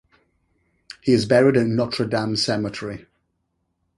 He is buried at Notre-Dame Cemetery.